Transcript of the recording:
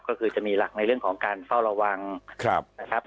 ก็คือจะมีหลักในเรื่องของการเฝ้าระวังนะครับ